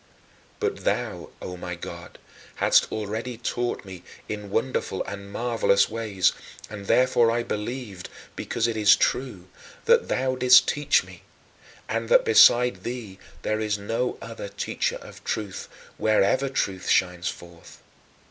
But thou, O my God, hadst already taught me in wonderful and marvelous ways, and therefore I believed because it is true that thou didst teach me and that beside thee there is no other teacher of truth, wherever truth shines forth.